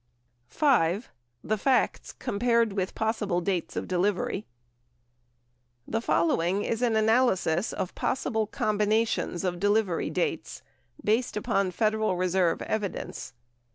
978 5. THE FACTS COMPARED WITH POSSIBLE DATES OF DELIVERY The following is an analysis of possible combinations of delivery dates based upon Federal Reserve evidence.